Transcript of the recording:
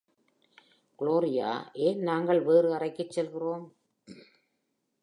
Gloria, ஏன், நாங்கள் வேறு அறைக்குச் செல்கிறோம்.